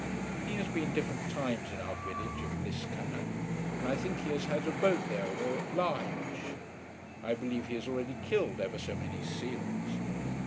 He has been different times in our village of Liscannor, and I think he has a boat there or at Lahinch. I believe he has already killed ever so many seals.